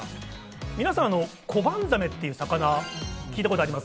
皆さん、コバンザメという魚、聞いたことあります？